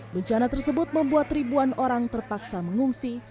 bencana tersebut membuat ribuan orang terpaksa mengungsi